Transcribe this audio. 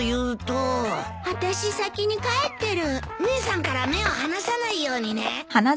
姉さんから目を離さないようにね。